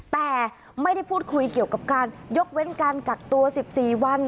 แต่ไม่ได้พูดคุยเกี่ยวกับการยกเว้นการกักตัว๑๔วัน